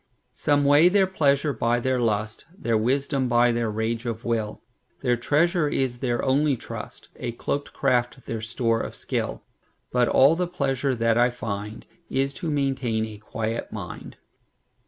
Some weigh their pleasure by their lust, Their wisdom by their rage of will; Their treasure is their only trust,A cloakèd craft their store of skill; But all the pleasure that I findIs to maintain a quiet mind.